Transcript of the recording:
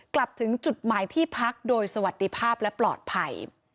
กลับถึงจุดหมายที่พักโดยสวัสดีภาพและปลอดภัย